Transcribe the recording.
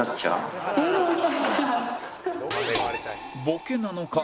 ボケなのか？